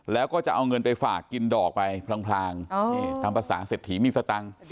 แล้วก็จะเอาเงินไปฝากกินดอกไปพลางตามภาษาเศรษฐีมีสตังค์